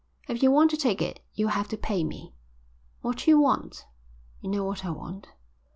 "If you want to take it you'll have to pay me." "What d'you want?" "You know what I want."